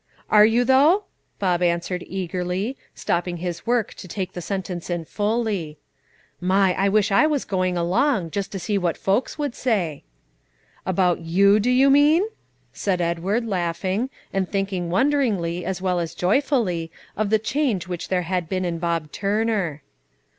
"Are you, though?" Bob answered eagerly, stopping his work to take the sentence in fully. "My! I wish I was going along, just to see what folks would say." "About you, do you mean?" said Edward, laughing, and thinking wonderingly, as well as joyfully, of the change which there had been in Bob Turner.